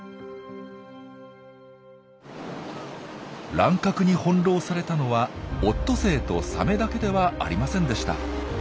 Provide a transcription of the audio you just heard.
乱獲に翻弄されたのはオットセイとサメだけではありませんでした。